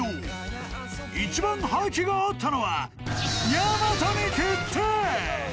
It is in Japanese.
［一番覇気があったのはやまとに決定！］